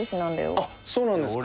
あっそうなんですか。